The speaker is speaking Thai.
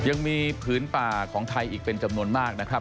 ยังมีผืนป่าของไทยอีกเป็นจำนวนมากนะครับ